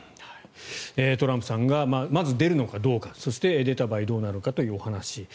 トランプさんがまず出るのかどうか出た場合どうなのかというお話。